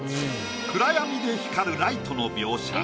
暗闇で光るライトの描写。